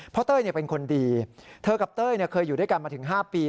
เพราะเต้ยเป็นคนดีเธอกับเต้ยเคยอยู่ด้วยกันมาถึง๕ปี